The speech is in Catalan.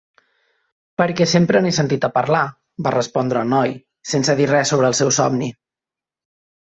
"Perquè sempre n'he sentit a parlar", va respondre el noi, sense dir res sobre el seu somni.